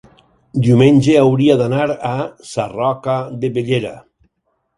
diumenge hauria d'anar a Sarroca de Bellera.